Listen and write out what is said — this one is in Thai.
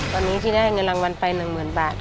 ตอนนี้ที่ได้เงินรางวัลไป๑๐๐๐บาท